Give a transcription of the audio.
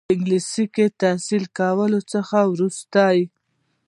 په انګلستان کې تحصیل کولو څخه وروسته.